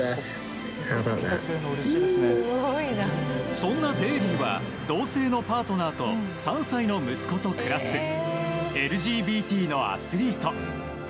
そんなデーリーは同性のパートナーと３歳の息子と暮らすＬＧＢＴのアスリート。